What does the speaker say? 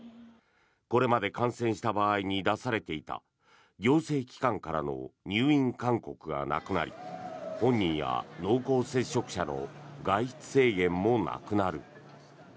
これまで感染した場合に出されていた行政機関からの入院勧告がなくなり本人や濃厚接触者の外出制限もなくなる。